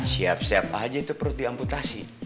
siap siap aja itu perut diamputasi